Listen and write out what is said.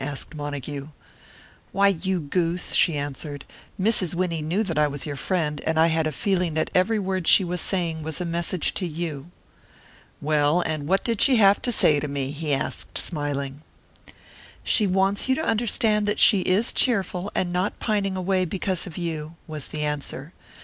asked Montague. "You, you goose," she answered. "Mrs. Winnie knew that I was your friend, and I had a feeling that every word she was saying was a message to you." "Well, and what did she have to say to me?" he asked, smiling. "She wants you to understand that she is cheerful, and not pining away because of you," was the answer.